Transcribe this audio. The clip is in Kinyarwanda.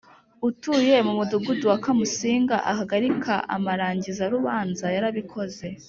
utuye mu Mudugudu wa Kamusinga Akagali ka amarangizarubanza Yarabikoze